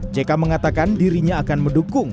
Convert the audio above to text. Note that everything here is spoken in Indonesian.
jk mengatakan dirinya akan mendukung